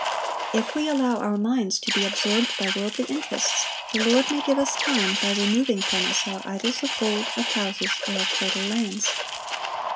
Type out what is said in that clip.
If we allow our minds to be absorbed by worldly interests, the Lord may give us time by removing from us our idols of gold, of houses, or of fertile lands.